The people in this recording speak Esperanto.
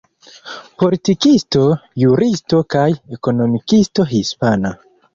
Politikisto, juristo kaj ekonomikisto hispana.